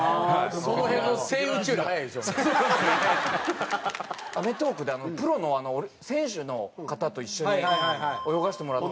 その辺の『アメトーーク』でプロの選手の方と一緒に泳がせてもらった。